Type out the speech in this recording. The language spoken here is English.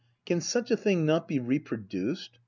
] Can such a thing not be reproduced